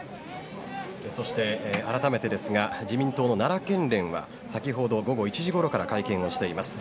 そして、改めてですが自民党の奈良県連は先ほど午後１時ごろから会見をしています。